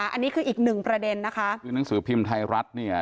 อันนี้คืออีกหนึ่งประเด็นนะคะคือหนังสือพิมพ์ไทยรัฐเนี่ย